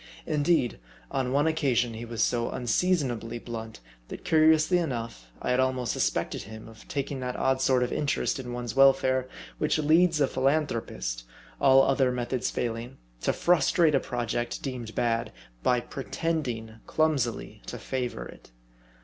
Indeed, on one occasion he was so unseasonably blunt, that curiously enough, I had almost suspected him of taking that odd sort of interest in one's welfare, which leads a philan thropist, all other methods failing, to frustrate a project deemed bad, by pretending clumsily to favor it.